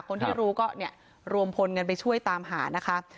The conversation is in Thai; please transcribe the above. คนที่รู้ก็เนี่ยรวมพลกันไปช่วยตามหานะคะ